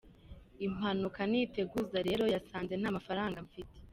Impanuka ntiteguza rero yasanze nta mafaranga mfite.